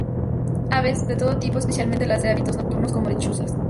Aves: De todo tipo, especialmente las de hábitos nocturnos como lechuzas.